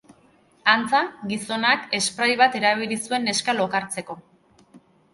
Antza, gizonak esprai bat erabili zuen neska lokartzeko.